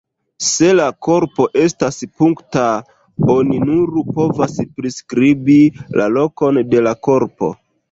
Se la korpo estas punkta, oni nur povas priskribi la lokon de la korpo.